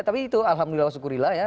tapi itu alhamdulillah wa syukurillah ya